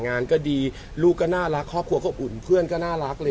งานก็ดีลูกก็น่ารักครอบครัวก็อุ่นเพื่อนก็น่ารักเลย